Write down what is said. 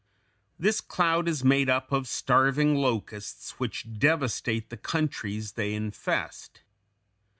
This cloud is made up of starving locusts which devastate the countries they infest.